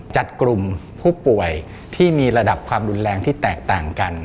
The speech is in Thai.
จัดกลุ่มผู้ป่วยที่มีระดับความรุนแรงที่แตกต่างกัน